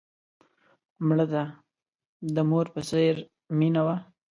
مړه ته د مور په څېر مینه وه